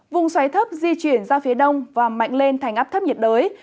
vùng xoáy thấp di chuyển ra phía đông và mạnh lên thành áp thấp nhiệt đới